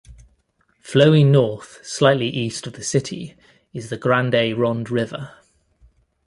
Flowing north slightly east of the city is the Grande Ronde River.